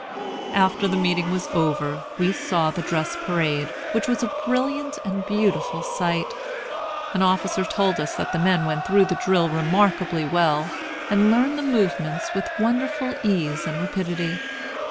After the meeting was over, we saw the dress parade, which was a brilliant and beautiful sight. An officer told us that the men went through the drill remarkably well, and learned the movements with wonderful ease and rapidity.